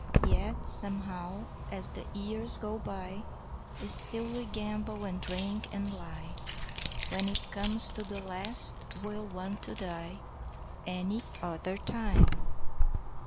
Yet somehow as the years go by Still we gamble and drink and lie, When it comes to the last we'll want to die Any other time!